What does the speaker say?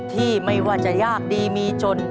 ที่ไม่ว่าจะยากดีมีจน